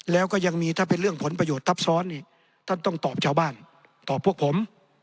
แล้วก็ยังมีถ้าเป็นเรื่องผลประโยชน์ทับซ้อนอีกท่านต้องตอบชาวบ้านตอบพวกผม